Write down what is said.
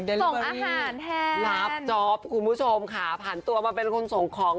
อาหารแทนรับจ๊อปคุณผู้ชมค่ะผ่านตัวมาเป็นคนส่งของ